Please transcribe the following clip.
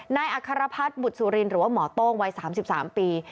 อัครพัฒน์บุตรสุรินหรือว่าหมอโต้งวัย๓๓ปี